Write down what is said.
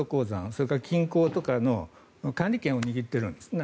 それから金鉱とかの管理権を握ってるんですね。